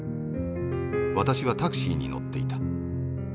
私はタクシーに乗っていた。